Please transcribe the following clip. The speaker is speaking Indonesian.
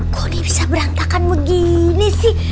kok dia bisa berantakan begini sih